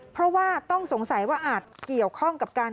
เพราะว่าต้องสงสัยว่าอาจเกี่ยวข้องกับการ